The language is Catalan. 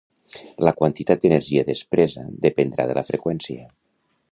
La quantitat d'energia despresa dependrà de la freqüència.